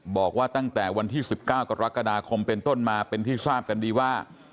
บอกว่าตั้งแต่วันที่๑๙กรกฎาคมเป็นต้นมาเป็นที่ทราบกันดีว่า